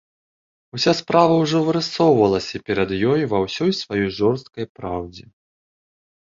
Уся справа ўжо вырысоўвалася перад ёю ва ўсёй сваёй жорсткай праўдзе.